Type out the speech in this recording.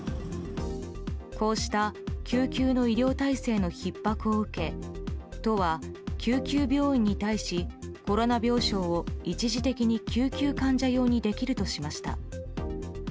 こうした、救急の医療体制のひっ迫を受け都は救急病院に対しコロナ病床を一時的に救急患者用にできるとしました。